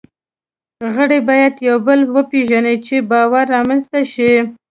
غړي باید یو بل وپېژني، چې باور رامنځ ته شي.